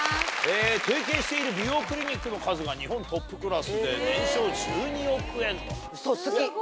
提携している美容クリニックの数が日本トップクラスで年商１２億円と。